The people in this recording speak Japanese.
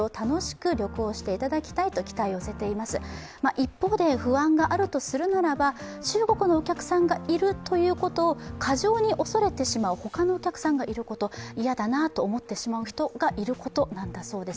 一方で不安があるとするならば中国のお客さんがいるということを過剰に恐れてしまう他のお客さんがいること、嫌だなと思ってしまう人がいることなんだそうです。